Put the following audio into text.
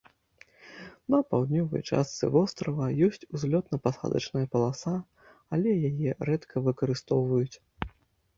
На паўднёвай частцы вострава ёсць узлётна-пасадачная паласа, але яе рэдка выкарыстоўваюць.